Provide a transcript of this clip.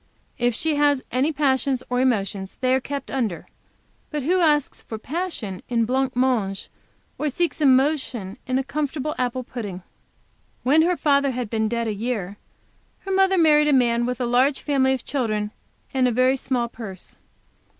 If she has any passions or emotions, they are kept under; but who asks for passion in blanc mange, or seeks emotion in a comfortable apple pudding? When her father had been dead a year, her mother married a man with a large family of children and a very small purse.